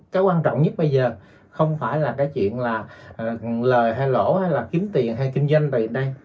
cái quan trọng nhất bây giờ không phải là cái chuyện là lời hay lỗ hay là kiếm tiền hay kinh doanh